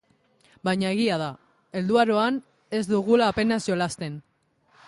Baina egia da, helduaroan ez dugula apenas jolasten.